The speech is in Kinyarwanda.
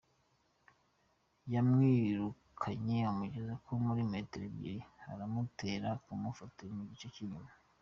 Yamwirukankanye amugeze nko muri metero ebyiri arakimutera kimufata ku gice cy’inyuma.